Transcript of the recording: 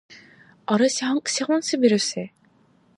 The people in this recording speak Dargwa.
Араси гьанкӀ сегъуна бируси?